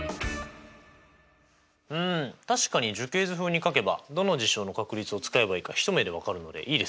うん確かに樹形図風に書けばどの事象の確率を使えばいいか一目で分かるのでいいですね。